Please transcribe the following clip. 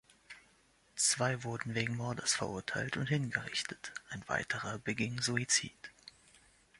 Zwei wurden wegen Mordes verurteilt und hingerichtet, ein weiterer beging Suizid.